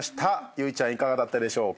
有以ちゃんいかがだったでしょうか？